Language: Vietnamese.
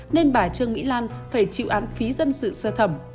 nên bà trương mỹ lan phải chịu án phí dân sự sơ thẩm